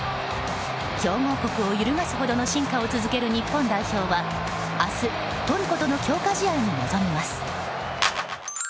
強豪国を揺るがすほどの進化を続ける日本代表は明日、トルコとの強化試合に臨みます。